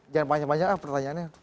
jangan panjang panjang lah pertanyaannya